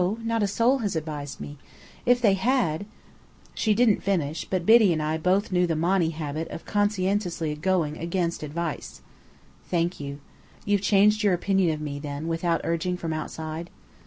Not a soul has advised me. If they had " She didn't finish, but Biddy and I both knew the Monny habit of conscientiously going against advice. "Thank you. You've changed your opinion of me, then, without urging from outside."